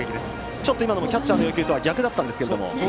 ちょっと今のもキャッチャーの要求とは逆だったんですけれども。